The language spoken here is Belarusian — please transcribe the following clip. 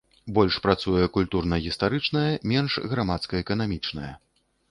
Больш працуе культурна-гістарычная, менш грамадска-эканамічная.